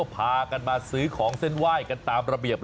พากันมาซื้อของเส้นไหว้กันตามระเบียบ